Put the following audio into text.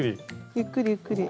ゆっくりゆっくり。